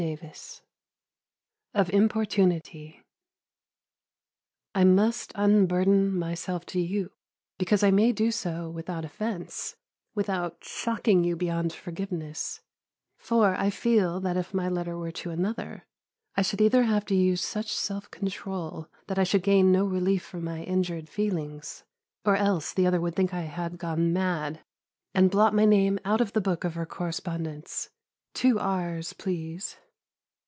XX OF IMPORTUNITY I must unburden myself to you, because I may do so without offence, without shocking you beyond forgiveness; for I feel that if my letter were to another, I should either have to use such self control that I should gain no relief for my injured feelings, or else the other would think I had gone mad, and blot my name out of the book of her correspondents two r's, please.